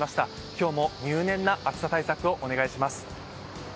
今日も入念な暑さ対策をお願いします。